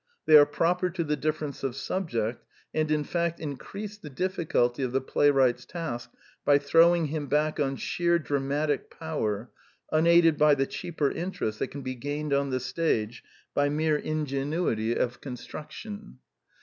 They are proper to the difference of subject, and in fact increased the difficulty of the playwright's task by throwing him back on sheer dramatic power, unaided by the cheaper interest that can be gained on the stage by mere ingenuity of con lyo The Quintessence of Ibsenism struction.